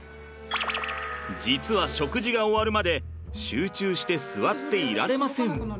実は食事が終わるまで集中して座っていられません。